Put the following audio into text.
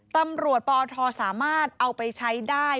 ตำรวจปอทสามารถเอาไปใช้ได้